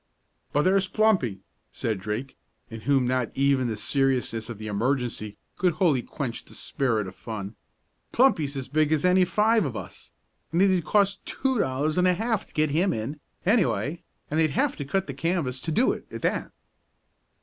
"But there's Plumpy," said Drake, in whom not even the seriousness of the emergency could wholly quench the spirit of fun. "Plumpy's as big as any five of us, an' it'd cost two dollars an' a half to get him in, anyway, and they'd have to cut the canvas to do it, at that."